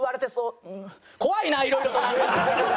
怖いないろいろとなんか。